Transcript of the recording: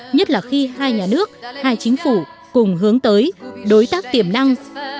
nhất là khi hai nhà nước hai chính phủ cùng hướng tới đối tác tiềm năng